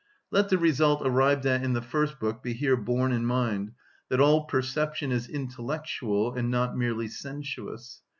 Let the result arrived at in the first book be here borne in mind, that all perception is intellectual and not merely sensuous.